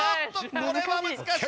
これは難しい！